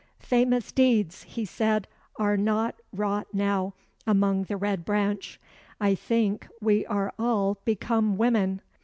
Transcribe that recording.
"Famous deeds," he said, "are not wrought now among the Red Branch. I think we are all become women.